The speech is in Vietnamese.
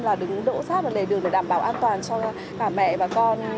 là đứng đỗ sát vào lề đường để đảm bảo an toàn cho bà mẹ và con